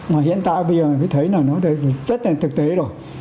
mà hiện tại bây giờ mới thấy là nó rất là thực tế rồi